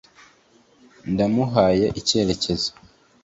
ndamuhaye icyerekezo